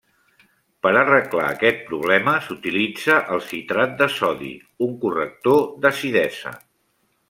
Per arreglar aquest problema s'utilitza el citrat de sodi, un corrector d'acidesa.